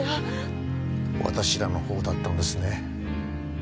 私らの方だったんですね。